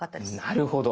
なるほど。